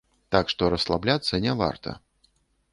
Так што расслабляцца не варта.